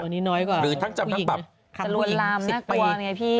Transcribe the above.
ตัวนี้น้อยกว่าหรือผู้หญิงจะลวนลำน่ากลัวไงพี่สิบปี